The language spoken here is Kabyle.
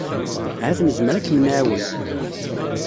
Ahat nezmer ad kem-nɛawen.